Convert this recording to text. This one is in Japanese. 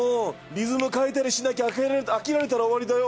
リズム変えたりしなきゃ飽きられたら終わりだよ。